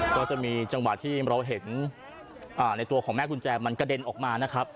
ก็จะมีจังหวะที่เราเห็นในตัวของแม่กุญแจมันกระเด็นออกมานะครับ